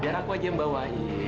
biar aku aja bawa